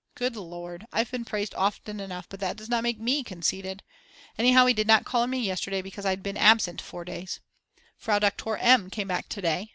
Good Lord, I've been praised often enough, but that does not make me conceited. Anyhow he did not call on me yesterday because I'd been absent 4 days. Frau Doktor M. came back to day.